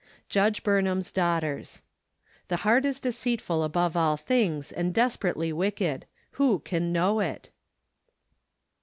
Judge Burnham's Daughters. " The heart is deceitful above all things , and desperately t oicked: who can know it?"